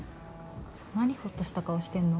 何ほっとした顔してんの？